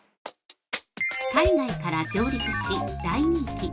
◆海外から上陸し、大人気！